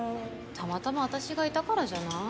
たまたま私がいたからじゃない？